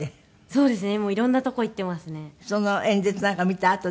そうですね。